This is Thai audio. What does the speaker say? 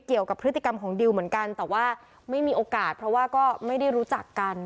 เกี่ยวกับพฤติกรรมของดิวเหมือนกันแต่ว่าไม่มีโอกาสเพราะว่าก็ไม่ได้รู้จักกัน